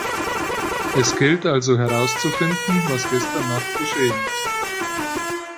Es gilt also herauszufinden, was gestern Nacht geschehen ist.